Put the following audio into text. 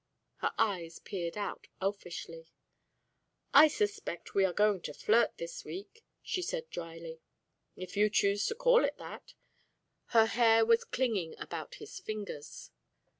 Her eyes peered out elfishly. "I suspect we are going to flirt this week," she said, drily. "If you choose to call it that." Her hair was clinging about his fingers.